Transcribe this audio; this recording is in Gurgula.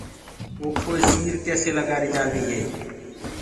اونٺو سير ڪيسي لگآري جآندي هي